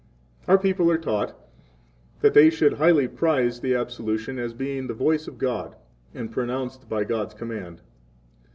Our people are taught that they should highly prize the absolution, as being the voice of God, 4 and pronounced by God's command.